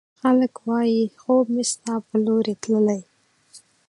خلګ وايي، خوب مې ستا په لورې تللی